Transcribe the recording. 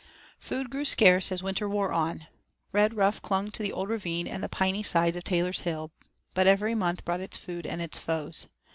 V Food grew scarce as winter wore on. Redruff clung to the old ravine and the piney sides of Taylor's Hill, but every month brought its food and its foes.